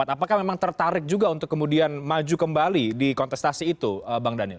apakah memang tertarik juga untuk kemudian maju kembali di kontestasi itu bang daniel